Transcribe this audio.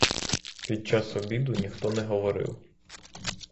Під час обіду ніхто не говорив.